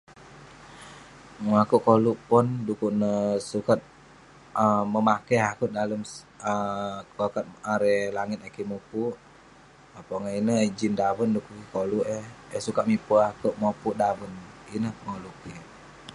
Akouk koluk pon du'kuk neh sukat um memakeh akouk dalem kokat um erei langit ayuk kik mukuk. pongah ineh, ijin daven..du'kuk kik koluk eh.. eh sukat mipe akouk mopuk daven..ineh koluk kik.